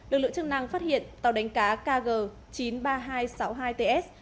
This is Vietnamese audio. lực lượng chức năng phát hiện tàu đánh cá kg chín trăm ba mươi hai sáu mươi hai ts